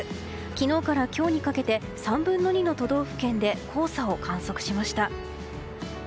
昨日から今日にかけて３分の２の都道府県で黄砂を観測しました。